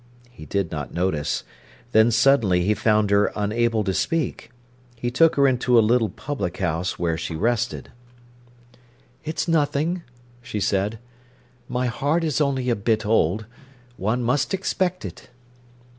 He did not notice. Then suddenly he found her unable to speak. He took her into a little public house, where she rested. "It's nothing," she said. "My heart is only a bit old; one must expect it."